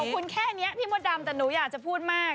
คุณแค่นี้พี่มดดำแต่หนูอยากจะพูดมาก